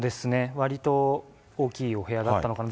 わりと大きいお部屋だったのかな。